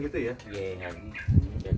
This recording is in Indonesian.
alhamdulillah terlalu menanjak banget